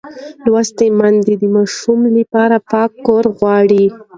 لوستې میندې د ماشوم لپاره پاک کور غواړي.